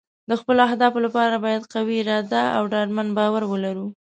د خپلو اهدافو لپاره باید قوي اراده او ډاډمن باور ولرو.